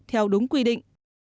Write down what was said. theo đúng quy định